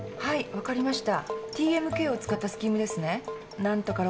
分かりました。